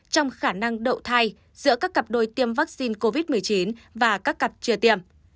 trong khả năng đậu thai giữa các cặp đôi tiêm vaccine covid một mươi chín và các cặp chưa tiêm